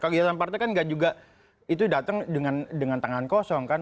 kegiatan partai kan gak juga itu datang dengan tangan kosong kan